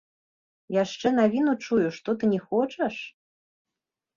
Яшчэ навіну чую, што ты не хочаш?